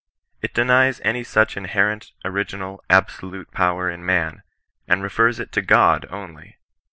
It denies any such inherent, original, absolute power in man, and refers it to Ood only.